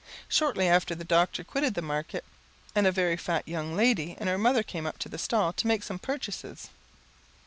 Shortly after the doctor quitted the market, and a very fat young lady and her mother came up to the stall to make some purchases.